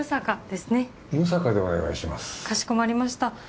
かしこまりました。